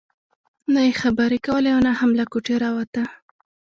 نه يې خبرې کولې او نه هم له کوټې راوته.